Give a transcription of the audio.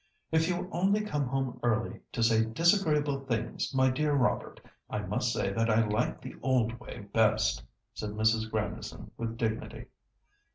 "If you only come home early to say disagreeable things, my dear Robert, I must say that I like the old way best," said Mrs. Grandison with dignity.